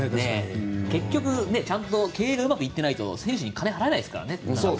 結局、経営がちゃんとうまくいってないと選手に金を払えないですからね。